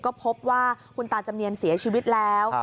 ก็พบว่าคุณตาจำเนียนเสียชีวิตแล้ว